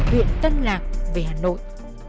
huyện tân lạc về hà nội